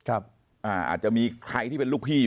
อาจจะมีใครที่เป็นลูกพี่อยู่